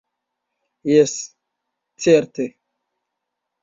Jes, certe!